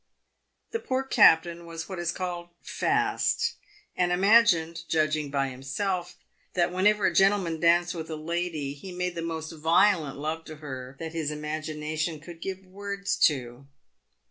The poor captain was what is called fast, and imagined, judging by himself, that whenever a gentleman danced with a lady he made the most violent love to her that his imagination could give words to.